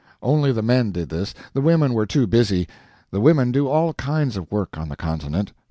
Only the men did this; the women were too busy. The women do all kinds of work on the continent.